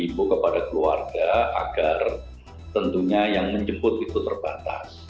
kita juga hibu kepada keluarga agar tentunya yang menjemput itu terbatas